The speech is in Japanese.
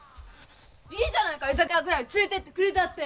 いいじゃないか居酒屋くらい連れてってくれたって！